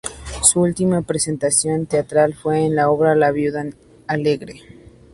Su última presentación teatral fue en la obra "La viuda alegre".